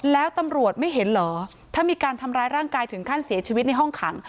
แล้วตำรวจไม่เห็นเหรอถ้ามีการทำร้ายร่างกายถึงขั้นเสียชีวิตในห้องขัง